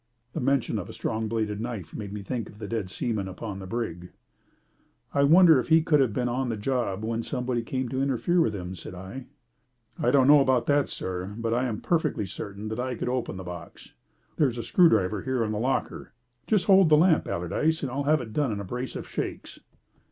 The mention of a strong bladed knife made me think of the dead seaman upon the brig. "I wonder if he could have been on the job when someone came to interfere with him," said I. "I don't know about that, sir, but I am perfectly certain that I could open the box. There's a screwdriver here in the locker. Just hold the lamp, Allardyce, and I'll have it done in a brace of shakes."